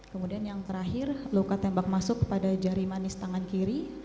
kemudian yang terakhir luka tembak masuk pada jari manis tangan kiri